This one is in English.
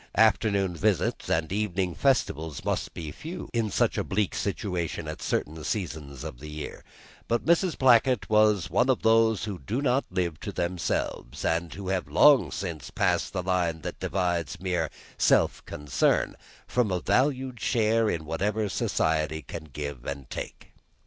Afternoon visits and evening festivals must be few in such a bleak situation at certain seasons of the year, but Mrs. Blackett was of those who do not live to themselves, and who have long since passed the line that divides mere self concern from a valued share in whatever Society can give and take.